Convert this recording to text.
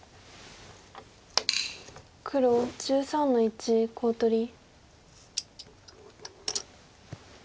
黒１３の一コウ取り。